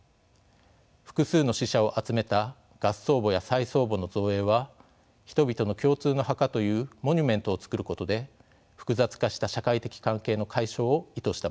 複数の死者を集めた合葬墓や再葬墓の造営は人々の共通の墓というモニュメントを作ることで複雑化した社会的関係の解消を意図したものです。